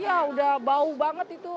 iya udah bau banget itu